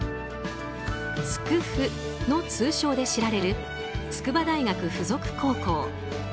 筑附の通称で知られる筑波大学附属高校。